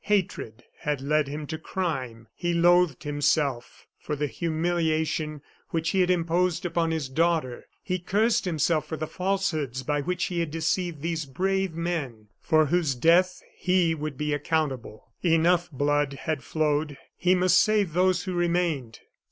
Hatred had led him to crime. He loathed himself for the humiliation which he had imposed upon his daughter. He cursed himself for the falsehoods by which he had deceived these brave men, for whose death he would be accountable. Enough blood had flowed; he must save those who remained.